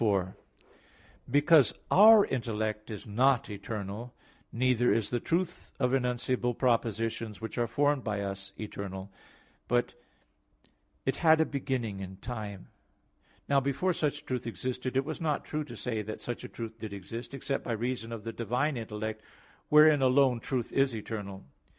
4: Because our intellect is not eternal, neither is the truth of enunciable propositions which are formed by us, eternal, but it had a beginning in time. Now before such truth existed, it was not true to say that such a truth did exist, except by reason of the divine intellect, wherein alone truth is eternal.